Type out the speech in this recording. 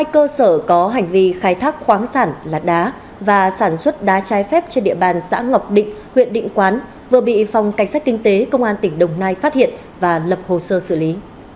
hai cơ sở có hành vi khai thác khoáng sản là đá và sản xuất đá trái phép trên địa bàn xã ngọc định huyện định quán vừa bị phòng cảnh sát kinh tế công an tỉnh đồng nai phát hiện và lập hồ sơ xử lý